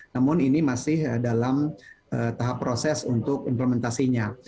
namun ini masih dalam tahap proses untuk implementasinya